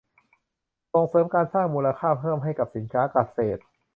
ส่งเสริมการสร้างมูลค่าเพิ่มให้กับสินค้าเกษตร